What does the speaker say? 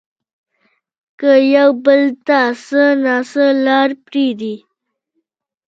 که يو بل ته څه نه څه لار پرېږدي